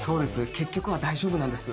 「結局は大丈夫」なんです。